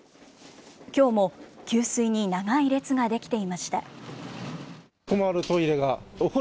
きょうも給水に長い列が出来ていました。